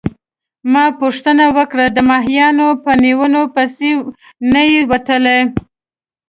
ما پوښتنه وکړه: د ماهیانو په نیولو پسي نه يې وتلی؟